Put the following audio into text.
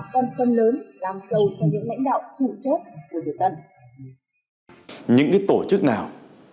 phân phân lớn làm sâu cho những lãnh đạo chủ chết của việt tân những cái tổ chức nào